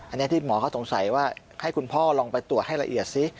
อันนี้ที่หมอเขาสงสัยว่าให้คุณพ่อลองไปตรวจให้ละเอียดซิ